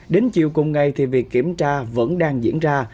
đến chiều cùng ngày thì việc kiểm tra vẫn đang diễn ra